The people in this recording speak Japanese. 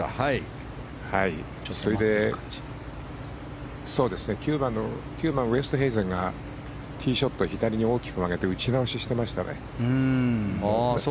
それで、９番でウーストヘイゼンがティーショットを左に大きく曲げて打ち直ししてましたね。